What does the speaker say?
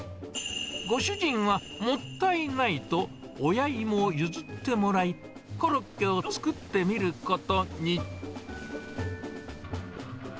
ご主人はもったいないと親芋を譲ってもらい、コロッケを作ってみることに。